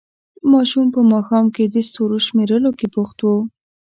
ماشوم په ماښام کې د ستورو شمېرلو کې بوخت وو.